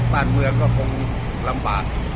บ้านเมืองก็คงลำบาก